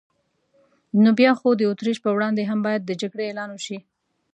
نو بیا خو د اتریش پر وړاندې هم باید د جګړې اعلان وشي.